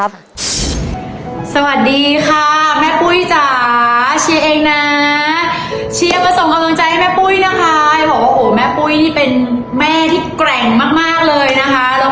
รับปั๊บแล้วก็ไปแขวนเพราะแขวนครบตามจำนวนแล้วตีละครั้งที่หยุดเวลานะครับ